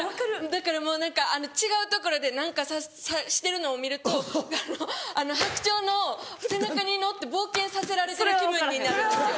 だからもう何か違うところで何かしてるのを見ると白鳥の背中に乗って冒険させられてる気分になるんですよ。